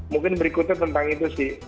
mungkin berikutnya tentang itu sih